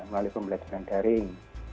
melalui pembelajaran daring